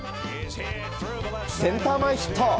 センター前ヒット。